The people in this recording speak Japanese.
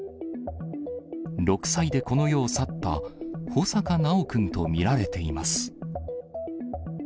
６歳でこの世を去った、穂坂修くんと見られています。